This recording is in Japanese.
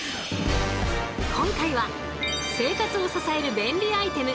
今回は生活を支える便利アイテム